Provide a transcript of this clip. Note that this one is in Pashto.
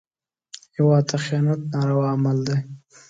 هېواد ته خیانت ناروا عمل دی